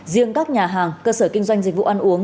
riêng các nhà hàng cơ sở kinh doanh dịch vụ ăn uống